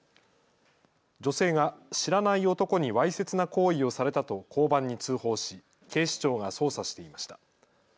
女性が知らない男にわいせつな行為をされたと交番に通報し警視庁が捜査していました。